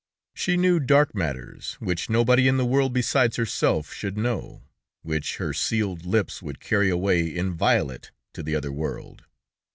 She knew dark matters, which nobody in the world besides herself should know, which her sealed lips would carry away inviolate to the other world.